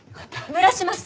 蒸らします。